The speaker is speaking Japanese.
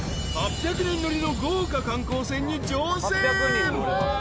［８００人乗りの豪華観光船に乗船］